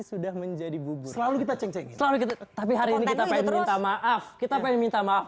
sudah menjadi bubur selalu kita ceng ceng tapi hari ini kita pilih maaf kita pilih minta maaf